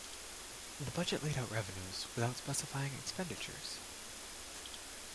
The budget laid out revenues, without specifying expenditures.